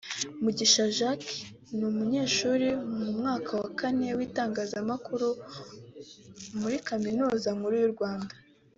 Mugisha Jack ni umunyeshuri mu mwaka wa kane w’itangazamakuru muri Kaminuza Nkuru y’u Rwanda